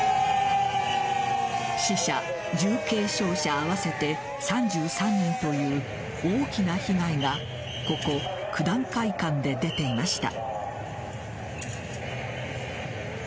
死者、重軽傷者合わせて３３人という大きな被害がここ、九段会館で出ていました。